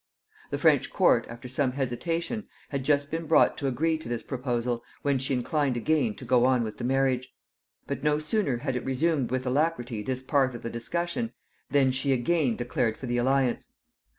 The French court, after some hesitation, had just been brought to agree to this proposal, when she inclined again to go on with the marriage; but no sooner had it resumed with alacrity this part of the discussion, than she again declared for the alliance.